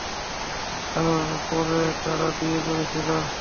আর পরে তারা বিয়ে করেছিল।